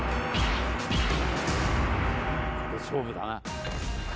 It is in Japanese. ここ勝負だな。